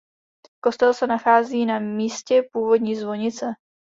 Kostel se nachází na místě původní zvonice.